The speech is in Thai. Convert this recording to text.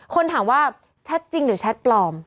คนถามว่าชัดจริงหรือชัดปลอม